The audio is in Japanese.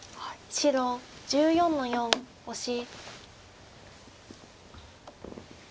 白１４の四オシ。